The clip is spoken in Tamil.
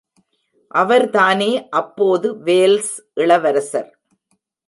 அவர்தானே அப்போது வேல்ஸ் இளவரசர்.